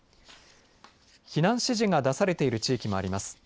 避難指示が出されている地域もあります。